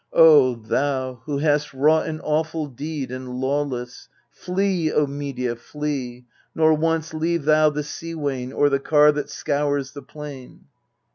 O thou who hast wrought an awful deed and lawless, Flee, O Medea, flee, nor once leave thou The sea wain, or the car that scours the plain.